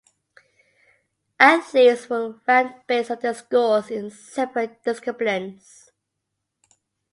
Athletes were ranked based on their scores in separate disciplines.